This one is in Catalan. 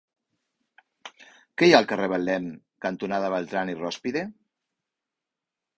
Què hi ha al carrer Betlem cantonada Beltrán i Rózpide?